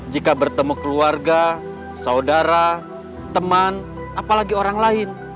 jika bertemu keluarga saudara teman apalagi orang lain